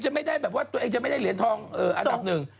ทำไมตัวเองจะไม่ได้เหรียญทองอันดับหนึ่ง